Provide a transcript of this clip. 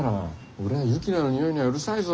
俺はユキナの匂いにはうるさいぞ。